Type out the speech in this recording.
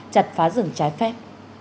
chặt phá rừng trái phép